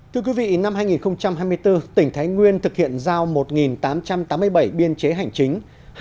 thưa quý vị năm hai nghìn hai mươi bốn tỉnh thái nguyên thực hiện giao một tám trăm tám mươi bảy biên chế hành chính